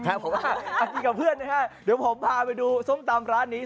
ถูกครับเพื่อนเดี๋ยวผมพาไปดูส้มตำร้านนี้